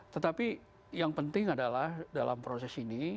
tetapi yang penting adalah dalam proses ini